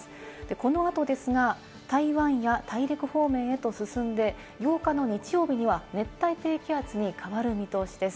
この後ですが、台湾や大陸方面へと進んで、８日の日曜日には熱帯低気圧に変わる見通しです。